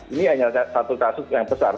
ini hanya satu kasus yang besar